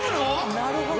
なるほど！